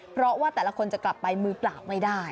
เพราะว่าแต่ละคนจะกลับไปมือเปล่าไม่ได้